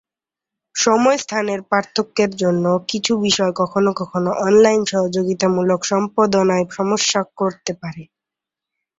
সময়-স্থানের পার্থক্যের জন্য কিছু বিষয় কখনো কখনো অনলাইন সহযোগিতামূলক সম্পাদনায় সমস্যা করতে পারে।